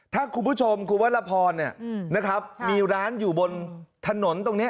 ถ้าคุณผู้ชมคุณวรพรนะครับมีร้านอยู่บนถนนตรงนี้